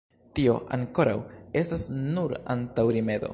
Tio, ankoraŭ, estas nur antaŭrimedo.